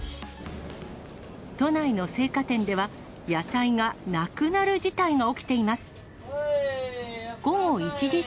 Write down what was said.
都内の青果店では、野菜がなくなる事態が起きています。